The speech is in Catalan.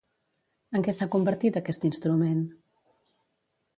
En què s'ha convertit aquest instrument?